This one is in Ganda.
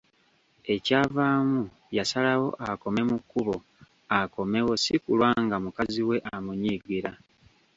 Ekyavaamu yasalawo akome mu kkubo akomewo si kulwa nga mukazi we amunyiigira.